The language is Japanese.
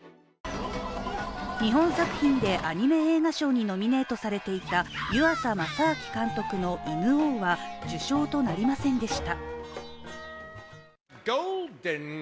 日本作品でアニメ映画賞にノミネ−トされていた湯浅政明監督の「犬王」は受賞となりませんでした。